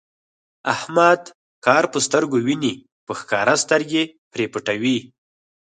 احمد کار په سترګو ویني، په ښکاره سترګې پرې پټوي.